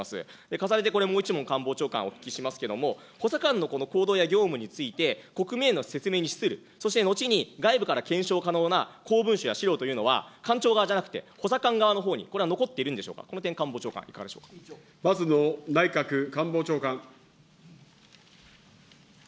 重ねてこれ、もう１問、官房長官、お聞きしますけども、補佐官の行動や業務について、国民への説明に資する、そしてのちに外部から検証可能な公文書や資料というのは、官庁側じゃなくて補佐官側のほうに、これは残っているんでしょうか、この点、官房長官、いか松野内閣官房長官。